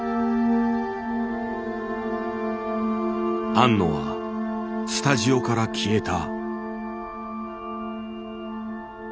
庵野はスタジオから消えた。